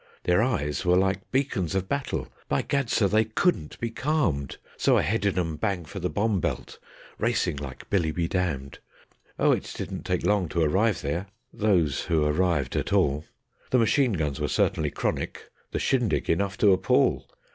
Their eyes were like beacons of battle; by gad, sir! they COULDN'T be calmed, So I headed 'em bang for the bomb belt, racing like billy be damned. Oh, it didn't take long to arrive there, those who arrived at all; The machine guns were certainly chronic, the shindy enough to appal.